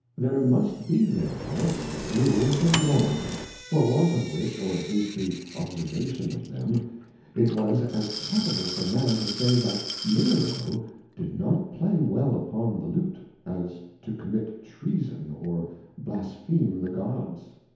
There must be therefore Rules and Laws : for want of which, or at least the Observation of them, it was as Capital for a Man to say that Nero did not play well upon the Lute, as to commit Treason, or Blaspheme the Gods.